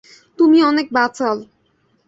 তুমি অনেক বাচাল।